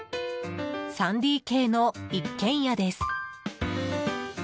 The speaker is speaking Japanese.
３ＤＫの一軒家です。